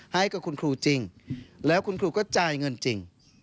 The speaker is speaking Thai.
ให้กับคุณครูจริงแล้วคุณครูก็จ่ายเงินจริง